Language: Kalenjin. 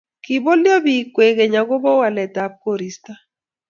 Kibolyo biik kwekeny akobo waletab koristo